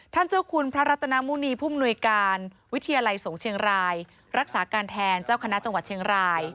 เจ้าคุณพระรัตนามุณีผู้มนุยการวิทยาลัยสงฆ์เชียงรายรักษาการแทนเจ้าคณะจังหวัดเชียงราย